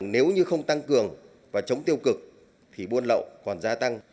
nếu như không tăng cường và chống tiêu cực thì buôn lậu còn gia tăng